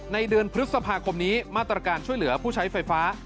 ในเดือนพฤษภาคมนี้มาตรการช่วยเหลือผู้ใช้ไฟฟ้า